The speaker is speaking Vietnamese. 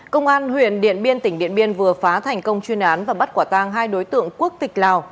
công an huyện điện biên tỉnh điện biên vừa phá thành công chuyên án và bắt quả tang hai đối tượng quốc tịch lào